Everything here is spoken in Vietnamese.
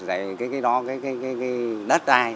đó cái đất đai